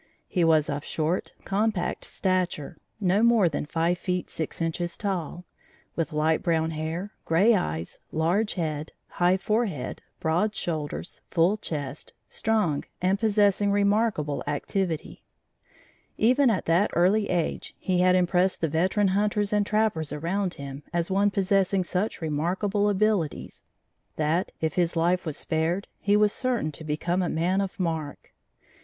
He was of short, compact stature, no more than five feet, six inches tall, with light brown hair, gray eyes, large head, high forehead, broad shoulders, full chest, strong and possessing remarkable activity. Even at that early age, he had impressed the veteran hunters and trappers around him as one possessing such remarkable abilities, that, if his life was spared, he was certain to become a man of mark.